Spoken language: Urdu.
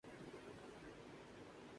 خلافت راشدہ سادگی کا انتہائی حسین نمونہ تھی۔